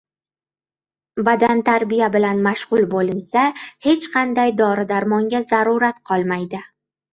Badantarbiya bilan mashg‘ul bo‘linsa, hech qanday dori-darmonga zarurat qolmaydi